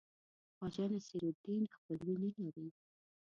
خواجه نصیرالدین خپلوي نه لري.